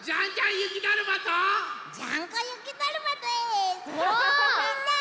みんな。